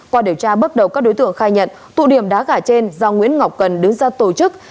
qua điều tra bước đầu các đối tượng khai nhận tụ điểm đá gà trên do nguyễn ngọc cần đứng ra tổ chức